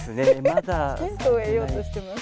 ヒントを得ようとしてます！